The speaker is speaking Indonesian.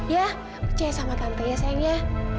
ya percaya sama tante ya sayang ya